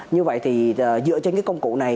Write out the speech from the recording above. như vậy thì dựa trên cái công cụ này